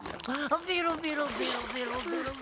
ベロベロベロベロ。